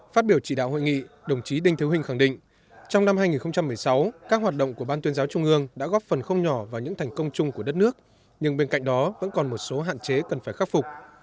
phát biểu chỉ đạo hội nghị đồng chí đinh thiếu hình khẳng định trong năm hai nghìn một mươi sáu các hoạt động của ban tuyên giáo trung ương đã góp phần không nhỏ vào những thành công chung của đất nước nhưng bên cạnh đó vẫn còn một số hạn chế cần phải khắc phục